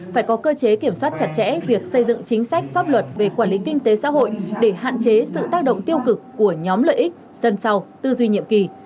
phải có cơ chế kiểm soát chặt chẽ việc xây dựng chính sách pháp luật về quản lý kinh tế xã hội để hạn chế sự tác động tiêu cực của nhóm lợi ích sân sau tư duy nhiệm kỳ